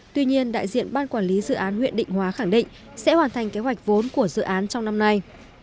tuy nhiên đại diện ban quản lý dự án huyện định hóa khẳng định sẽ hoàn thành kế hoạch vốn của dự án trong năm nay